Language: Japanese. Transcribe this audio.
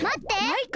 マイカ？